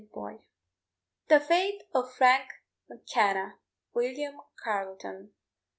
THE FATE OF FRANK M'KENNA. WILLIAM CARLETON.